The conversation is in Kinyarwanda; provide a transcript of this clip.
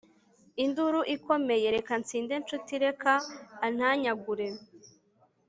induru ikomeye! reka nsinde, nshuti; reka antanyagure